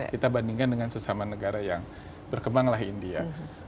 kita bandingkan dengan sesama negara yang berkembanglah india